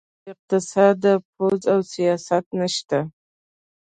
بې له اقتصاده پوځ او سیاست نشته.